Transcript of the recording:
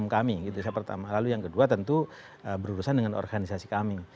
yang pertama itu adalah ketua umum kami gitu lalu yang kedua tentu berurusan dengan organisasi kami